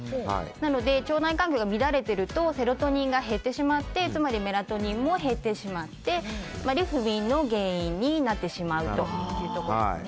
なので腸内環境が乱れているとセロトニンが減ってしまってメラトニンも減ってしまって不眠の原因になってしまいます。